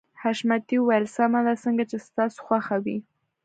حشمتي وويل سمه ده څنګه چې ستاسو خوښه وي.